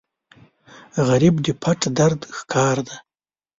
غریب د پټ درد ښکار دی